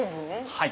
はい。